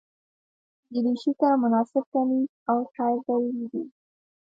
دریشي ته مناسب کمیس او ټای ضروري دي.